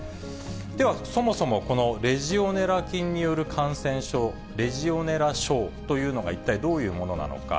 では、そもそもこのレジオネラ菌による感染症、レジオネラ症というのが一体どういうものなのか。